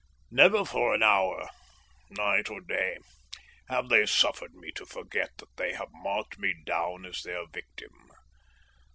Never for an hour, night or day, have they suffered me to forget that they have marked me down as their victim.